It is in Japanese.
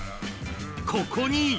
ここに。